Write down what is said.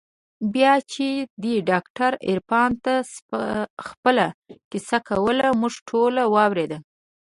بيا چې دې ډاکتر عرفان ته خپله کيسه کوله موږ ټوله واورېده.